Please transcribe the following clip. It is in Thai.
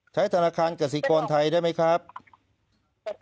ใช้ธนาคารกสิกรไทยได้ไหมครับกสิกรนะคะ